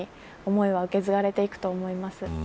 思いは受け継がれていくと思います。